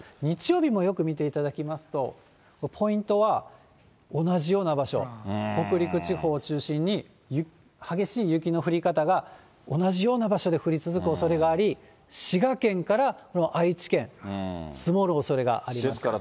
日曜日もよく見ていただきますと、ポイントは、同じような場所、北陸地方を中心に、激しい雪の降り方が同じような場所で降り続くおそれがあり、滋賀県から愛知県、積もるおそれがあります。